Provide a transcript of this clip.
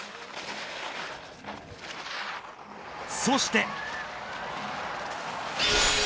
そして。